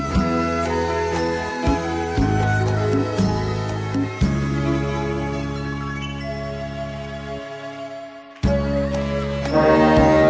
ฝากเพลงสู้รอยผ่านจากใจ